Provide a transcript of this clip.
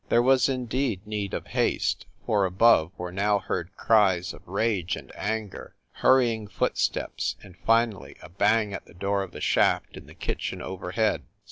There was indeed need of haste, for above were now heard cries of rage and anger, hurrying foot steps, and finally a bang at the door of the shaft in the kitchen overhead.